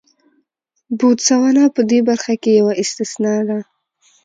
بوتسوانا په دې برخه کې یوه استثنا ده.